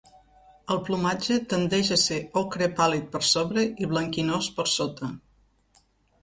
El plomatge tendeix a ser ocre pàl·lid per sobre i blanquinós per sota.